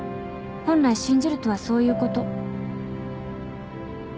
本来「信じる」とはそういうこと。